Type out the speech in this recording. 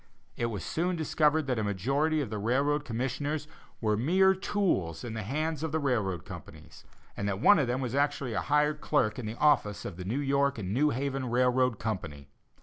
It was soon discovered that a majority of the railroad commissioners were mere tools in the hands of the railroad companies, and that one of them was actually a hired clerk in the office of the New York and New Haven Railroad Company.